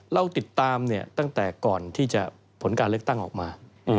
เราติดตามตั้งแต่ก่อนที่จะผลการเลือกตั้งออกมา